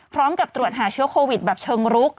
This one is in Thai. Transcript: พร้อมกับตรวจหาเชื้อโควิดแบบเชิงรุก